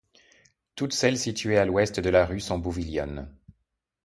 Toutes celles situées à l'ouest de la rue sont bouvillonnes.